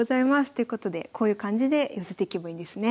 ということでこういう感じで寄せていけばいいんですね。